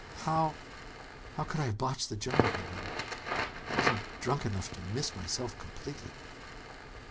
"How how could I have botched the job?" he muttered. "I wasn't drunk enough to miss myself completely."